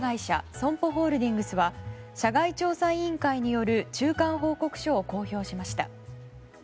ＳＯＭＰＯホールディングスは社外調査委員会による中間報告書を公表しました。